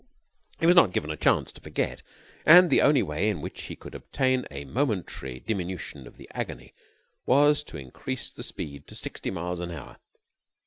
He was not given a chance to forget, and the only way in which he could obtain a momentary diminution of the agony was to increase the speed to sixty miles an hour.